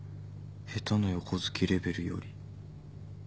「下手の横好きレベルより」